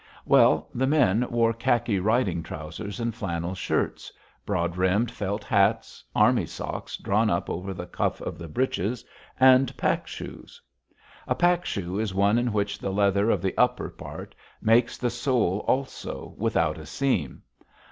Well, the men wore khaki riding trousers and flannel shirts, broad brimmed felt hats, army socks drawn up over the cuff of the breeches, and pack shoes. A pack shoe is one in which the leather of the upper part makes the sole also, without a seam.